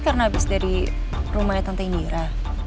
karena habis dari rumahnya tante indira